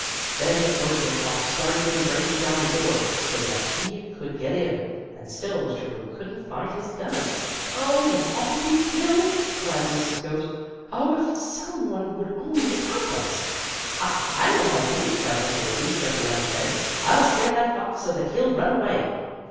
Then the burglar fox started in breaking down the door, so that he could get in, and still Mr. Goat couldn't find his gun. "Oh, we'll all be killed!" cried Mrs. Goat. "Oh, if some one would only help us!" "Ha! I will help you!" cried Uncle Wiggily jumping out of bed. "I'll scare that fox so that he'll run away."